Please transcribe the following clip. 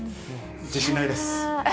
自信ないです。